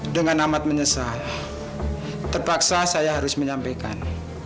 dengan amat menyesal terpaksa saya harus menyampaikan